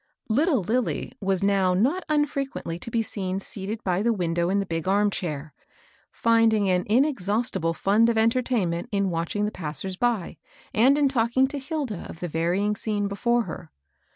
Little Lilly was now not unfrequently to be seen seated by the window in the big arm chair, finding an inexhaustible fiind of entertainment in watch ing the passers by, and in talking to Hilda of the varying scene before her.